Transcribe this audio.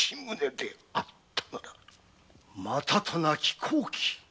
またとなき好機。